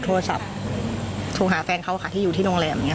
โทรศัพท์โทรหาแฟนเขาค่ะที่อยู่ที่โรงแรมอย่างนี้